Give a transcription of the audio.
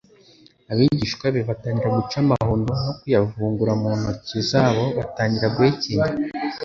Abigishwa be batangira guca amahundo no kuyavungura mu ntoke zabo batangira guhekenya.